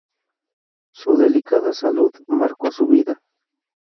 Su delicada salud marcó su vida.